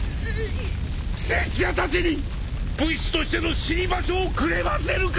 拙者たちに武士としての死に場所をくれませぬか！